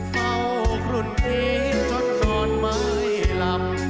เฝ้ากลุ่นผิดจนนอนไม่ลับ